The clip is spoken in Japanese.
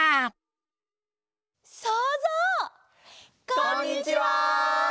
こんにちは！